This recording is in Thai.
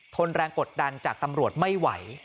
นแรงกดดันจากตำรวจไม่ไหว